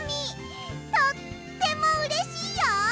とってもうれしいよ！